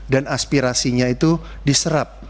dan aspirasinya itu diserap